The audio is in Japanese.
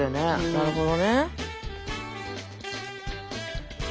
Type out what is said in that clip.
なるほど。